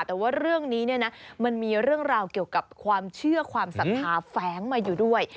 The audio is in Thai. แต่ว่าเรื่องนี้เนี่ยนะมันมีเรื่องราวเกี่ยวกับความเชื่อความศรัทธาแฟ้งมาอยู่ด้วย